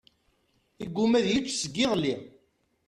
Iguma ad yečč seg iḍelli.